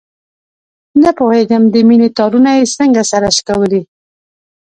نه پوهېږم د مینې تارونه یې څنګه سره شکولي.